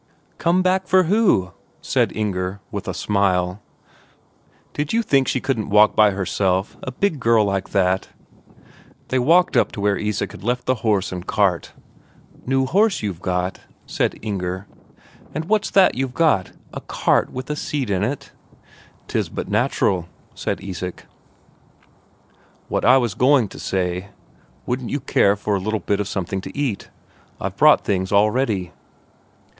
"Come back for who?" asked Inger, with a smile. "Did you think she couldn't walk by herself, a big girl like that?" They walked up to where Isak had left the horse and cart. "New horse, you've got?" said Inger. "And what's that you've got a cart with a seat in?" "Tis but natural," said Isak. "What I was going to say: Wouldn't you care for a little bit of something to eat? I've brought things all ready."